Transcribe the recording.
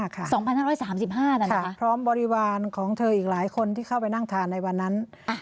๒๕๓๕นะคะพร้อมบริวารของเธออีกหลายคนที่เข้าไปนั่งทานในวันนั้น